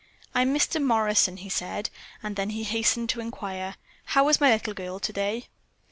"I'm Mr. Morrison," he said, and then he hastened to inquire: "How is my little girl today?"